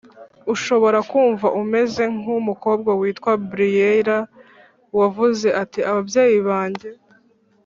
Ushobora kumva umeze nk umukobwa witwa Brielle wavuze ati ababyeyi banjye